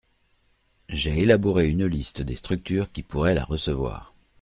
J’ai élaboré une liste des structures qui pourrait la recevoir.